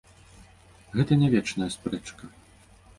Гэта не вечная спрэчка.